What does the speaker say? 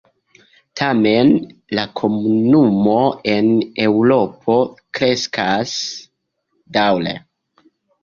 Tamen, la komunumo en Eŭropo kreskas daŭre.